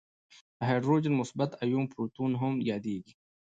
د هایدروجن مثبت آیون پروتون هم یادیږي.